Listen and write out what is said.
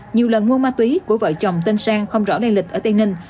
nhiều lần mua ma túy của vợ chồng tên sang không rõ lây lịch ở tây ninh